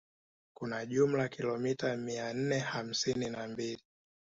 kuna jumla kilomita mia nne hasini na mbili